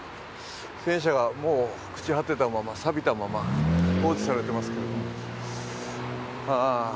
戦車がもう朽ち果てたまま、さびたまま放置されてます。